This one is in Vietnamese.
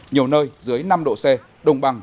nhiều nơi dưới năm độ c đồng bằng